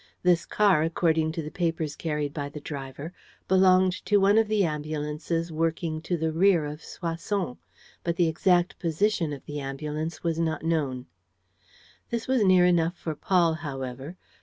This car, according to the papers carried by the driver, belonged to one of the ambulances working to the rear of Soissons; but the exact position of the ambulance was not known. This was near enough for Paul, however.